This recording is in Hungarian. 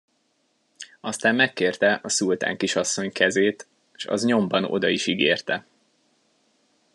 Aztán megkérte a szultánkisasszony kezét, s az nyomban oda is ígérte.